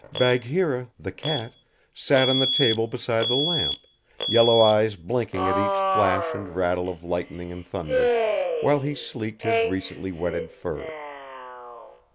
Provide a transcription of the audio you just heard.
Bagheera, the cat, sat on the table beside the lamp, yellow eyes blinking at each flash and rattle of lightning and thunder, while he sleeked his recently wetted fur.